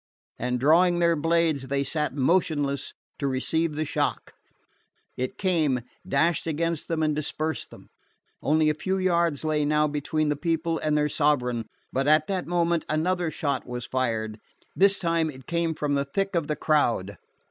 and drawing their blades, they sat motionless to receive the shock. It came, dashed against them and dispersed them. Only a few yards lay now between the people and their sovereign. But at that moment another shot was fired. This time it came from the thick of the crowd.